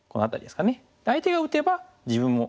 相手が打てば自分も。